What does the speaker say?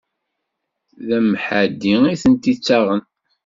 D amḥaddi i tent-ittaɣen.